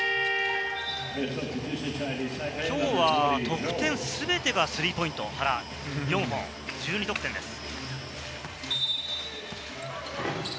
きょうは得点全てがスリーポイント、原、４本１２得点です。